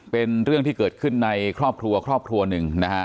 เป็นเรื่องที่เกิดขึ้นในครอบครัวครอบครัวหนึ่งนะฮะ